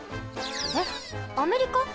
えっアメリカ？